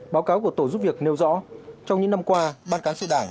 báo cáo của tổ giúp việc nêu rõ trong những năm qua ban cán sự đảng